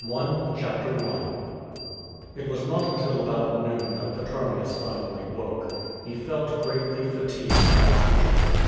•^^^ CHAPTER L It was not until about noon that Petronius finally woke. He felt greatly fatigued as usual.